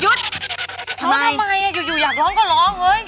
ร้องทำไมอยู่อยากร้องก็ร้องเฮ้ย